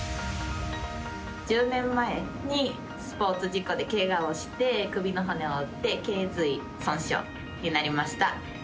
１０年前にスポーツ事故でけがをして首の骨を折ってけい椎損傷になりました。